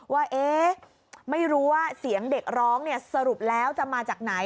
ว่าไม่รู้ว่าเสียงเด็กร้องสรุปแล้วจะมาจากไหน